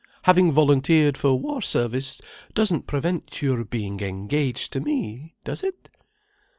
Having volunteered for war service doesn't prevent your being engaged to me, does it?"